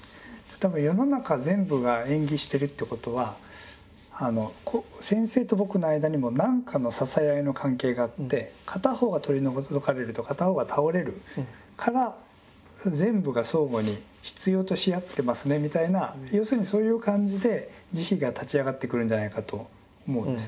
多分世の中全部が縁起してるってことは先生と僕の間にも何かの支え合いの関係があって片方が取り除かれると片方が倒れるから全部が相互に必要とし合ってますねみたいな要するにそういう感じで慈悲が立ち上がってくるんじゃないかと思うんです。